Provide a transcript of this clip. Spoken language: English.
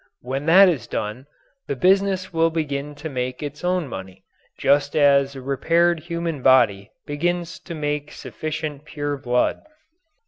When that is done, the business will begin to make its own money, just as a repaired human body begins to make sufficient pure blood.